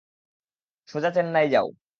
সোজা চেন্নাই যাও।